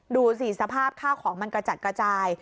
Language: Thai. ดูสิสภาพข้าวของมันกระจัดกระจาย